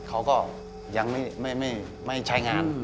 เขาก็ยังไม่ใช้งาน